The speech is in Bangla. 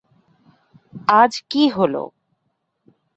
আজ কী হল?